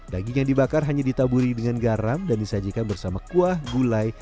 daging yang dibakar hanya ditaburi dengan garam dan disajikan bersama kuah gulai